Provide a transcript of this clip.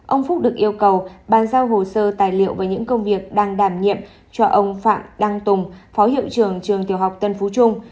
ông phúc được yêu cầu bàn giao hồ sơ tài liệu với những công việc đang đảm nhiệm cho ông phạm đăng tùng phó hiệu trường trường tiểu học tân phú trung